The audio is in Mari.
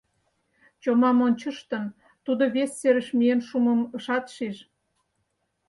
Чомам ончыштын, тудо вес серыш миен шумым ышат шиж.